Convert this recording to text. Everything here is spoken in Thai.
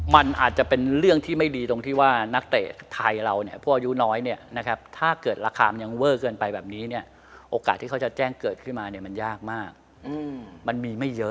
มันอาจจะเป็นเรื่องที่ไม่ดีตรงที่ว่านักเตะไทยเราเนี่ย